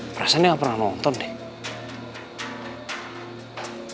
perasaan dia gak pernah nonton deh